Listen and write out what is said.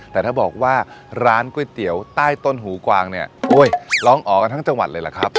แต่ถ้าบอกว่าร้านก๋วยเตี๋ยวใต้ต้นหูกวางเนี่ยโอ้ยร้องออกกันทั้งจังหวัดเลยล่ะครับ